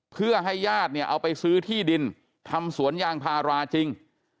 เพื่อให้ญาติเนี่ยเอาไปซื้อที่ดินทำสวนยางพาราจริง